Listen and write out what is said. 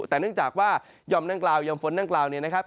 แต่เนื่องจากว่ายอมนั่งกล่าวยอมฝนนั่งกล่าวเนี่ยนะครับ